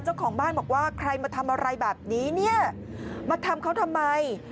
เจ้าของบ้านบอกว่าใครมาทำอะไรแบบนี้เนี่ยมาทำเขาทำไม